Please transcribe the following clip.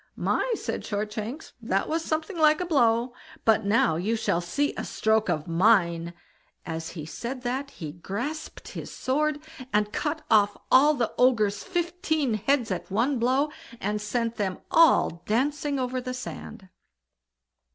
"My!" said Shortshanks, "that was something like a blow; but now you shall see a stroke of mine." As he said that, he grasped his sword, and cut off all the Ogre's fifteen heads at one blow, and sent them all dancing over the sand.